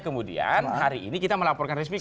kemudian hari ini kita melaporkan resmi